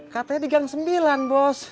katanya di gang sembilan bos